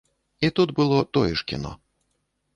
І тут было тое ж кіно.